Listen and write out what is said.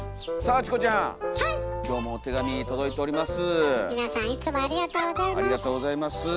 ありがとうございます。